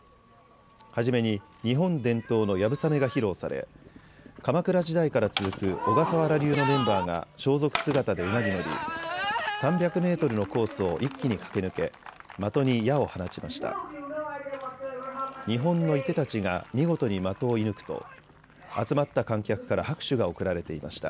初めに日本伝統のやぶさめが披露され鎌倉時代から続く小笠原流のメンバーが装束姿で馬に乗り３００メートルのコースを一気に駆け抜け、的に矢を放ちました。